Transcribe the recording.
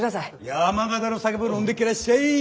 山形の酒も飲んでけらっしゃい！